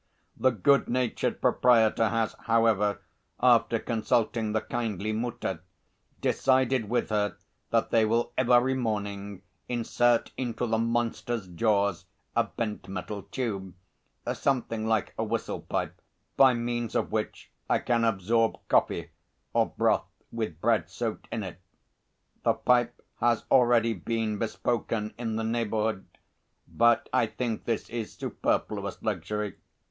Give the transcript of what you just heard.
The good natured proprietor has, however, after consulting the kindly Mutter, decided with her that they will every morning insert into the monster's jaws a bent metal tube, something like a whistle pipe, by means of which I can absorb coffee or broth with bread soaked in it. The pipe has already been bespoken in the neighbourhood, but I think this is superfluous luxury.